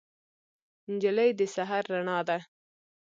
نجلۍ د سحر رڼا ده.